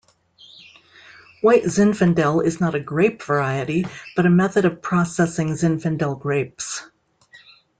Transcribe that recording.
White Zinfandel is not a grape variety but a method of processing Zinfandel grapes.